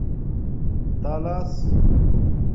تلس